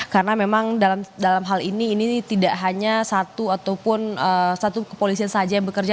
karena memang dalam hal ini ini tidak hanya satu ataupun satu kepolisian saja yang bekerja